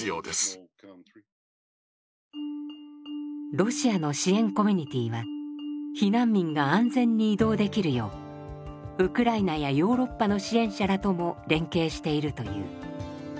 ロシアの支援コミュニティーは避難民が安全に移動できるようウクライナやヨーロッパの支援者らとも連携しているという。